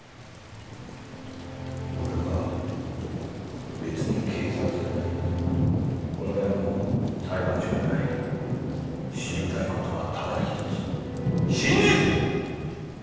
俺は別に警察じゃないこの部屋も裁判所じゃない知りたいことはただ一つ真実だ！